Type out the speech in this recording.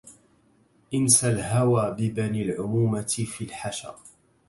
أنس الهوى ببني العمومة في الحشا